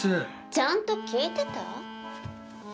ちゃんと聞いてた？